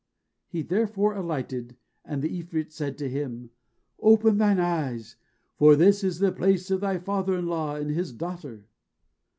He therefore alighted. And the 'Efreet said to him, "Open thine eyes; for this is the palace of thy father in law and his daughter."